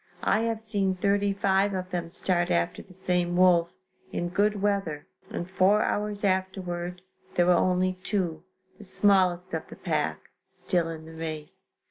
I have seen thirty five of them start after the same wolf, in good weather and four hours afterward there were only two, the smallest of the pack, still in the race.